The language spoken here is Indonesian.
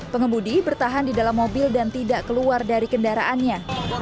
pengemudi bertahan di dalam mobil dan tidak keluar dari kendaraannya